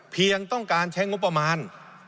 เพียงต้องการใช้งบประมาณ